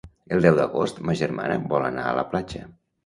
El deu d'agost ma germana vol anar a la platja.